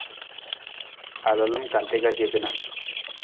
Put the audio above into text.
A lalam kante ka ce kana.